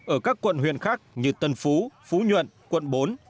ở các quận huyện khác như tân phú phú nhuận quận bốn